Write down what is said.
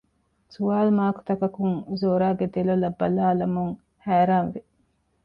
ސުވާލު މާކުތަކަކުން ޒޯރާގެ ދެލޮލަށް ބަލާލަމުން ހައިރާން ވި